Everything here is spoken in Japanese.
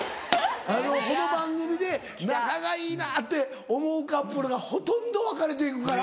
この番組で仲がいいなって思うカップルがほとんど別れて行くから。